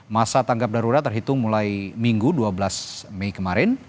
masa tanggap darurat terhitung mulai minggu dua belas mei kemarin